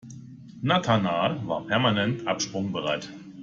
Nathanael war permanent absprungbereit.